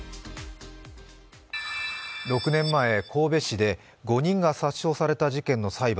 ６年前神戸市で５人が殺傷された事件の裁判。